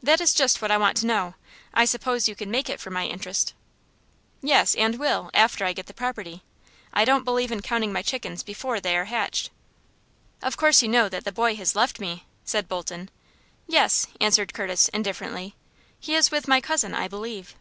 "That is just what I want to know. I suppose you can make it for my interest." "Yes, and will after I get the property. I don't believe in counting my chickens before they are hatched." "Of course you know that the boy has left me?" said Bolton. "Yes," answered Curtis, indifferently. "He is with my cousin, I believe."